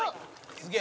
すげえ！」